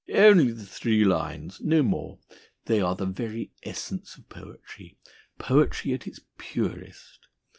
"Only the three lines! No more! They are the very essence of poetry poetry at its purest.